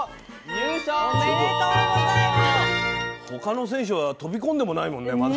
他の選手は飛び込んでもないもんねまだ。